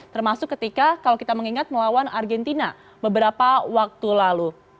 termasuk ketika kalau kita mengingat melawan argentina beberapa waktu lalu